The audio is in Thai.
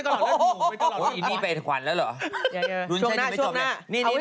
โอ้ยนี่เป็นขวัญแล้วเหรอช่วงหน้าช่วงหน้า